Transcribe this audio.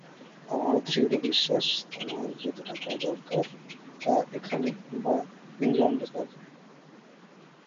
আমার দৃঢ় বিশ্বাস, তোমার যত টাকার দরকার, তা এখানে বা ইংলণ্ডে পাবে।